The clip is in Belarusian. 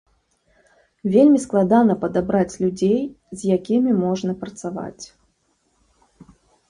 Вельмі складана падабраць людзей, з якімі можна працаваць.